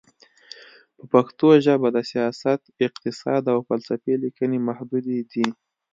په پښتو ژبه د سیاست، اقتصاد، او فلسفې لیکنې محدودې دي.